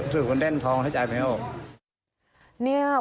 ถึงวันเด้นทองได้จ่ายไม่ออก